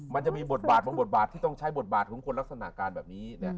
มันจะมีบทบาทบางบทบาทที่ต้องใช้บทบาทของคนลักษณะการแบบนี้